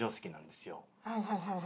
はいはいはいはい。